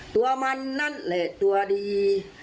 ตัวมันนั่นแหละตัวดี